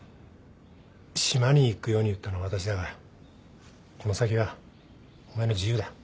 島に行くように言ったのは私だがこの先はお前の自由だ。